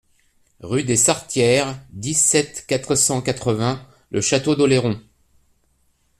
Rue des Sartières, dix-sept, quatre cent quatre-vingts Le Château-d'Oléron